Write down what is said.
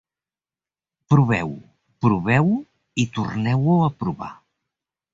Proveu-ho, proveu-ho i torneu-ho a provar.